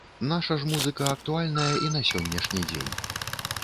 Наша ж музыка актуальная і на сённяшні дзень.